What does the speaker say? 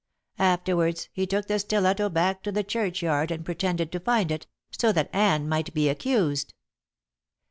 Afterwards he took the stiletto back to the churchyard and pretended to find it, so that Anne might be accused.